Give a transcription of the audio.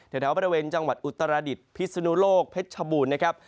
แถวบริเวณจังหวัดอุตรดิษฐ์พิศนุโลกเพชรชบูรณ์นะครับ